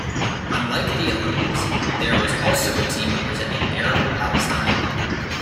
Unlike the Olympics, there was also a team representing Arab Palestine.